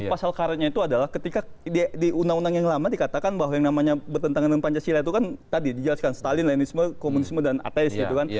pasal karetnya itu adalah ketika di undang undang yang lama dikatakan bahwa yang namanya bertentangan dengan pancasila itu kan tadi dijelaskan stalin lenisme komunisme dan ateis gitu kan